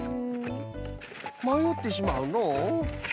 まよってしまうのう。